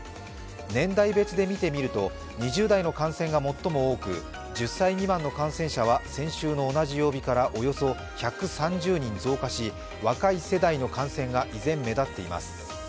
年代別で見てみると２０代の感染が最も多く１０歳未満の感染者は先週の同じ曜日からおよそ１３０人増加し、若い世代の感染が依然目立っています。